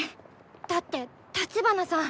だって立花さん